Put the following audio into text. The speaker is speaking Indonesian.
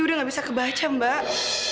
udah gak bisa kebaca mbak